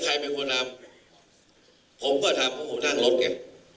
ใครเป็นคนทำผมก็ทำเพราะผมนั่งรถไง